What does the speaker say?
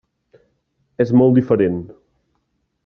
És molt diferent.